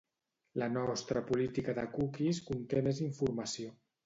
La nostra Política de Cookies conté més informació.